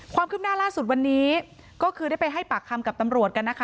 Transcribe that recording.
ความคืบหน้าล่าสุดวันนี้ก็คือได้ไปให้ปากคำกับตำรวจกันนะคะ